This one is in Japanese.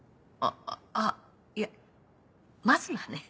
あいやまずはね。